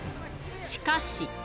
しかし。